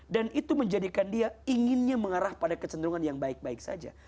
dan itu menjadikan dia inginnya mengarah pada kecenderungan yang baik baik saja